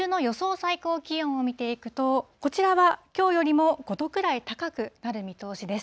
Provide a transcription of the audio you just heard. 最高気温を見ていくと、こちらはきょうよりも５度くらい高くなる見通しです。